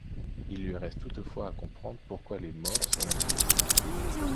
Il lui reste toutefois à comprendre pourquoi les morts se manifestent.